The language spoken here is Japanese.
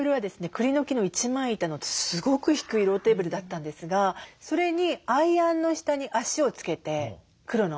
くりの木の一枚板のすごく低いローテーブルだったんですがそれにアイアンの下に脚を付けて黒の。